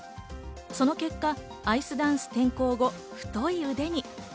その結果、アイスダンス転向後太い腕に。